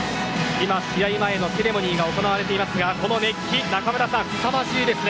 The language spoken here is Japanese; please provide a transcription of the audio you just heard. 今、試合前のセレモニーが行われていますがこの熱気、中村さんすさまじいですね。